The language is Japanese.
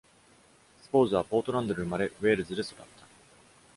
スポーズはポートランドで生まれ、ウェールズで育った。